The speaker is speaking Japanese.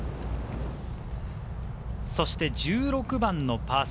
そして１６番のパー３。